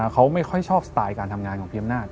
เขาไม่ค่อยชอบสไตล์การทำงานของพี่อำนาจ